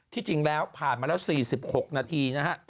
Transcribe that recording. จริงแล้วผ่านมาแล้ว๔๖นาทีนะฮะ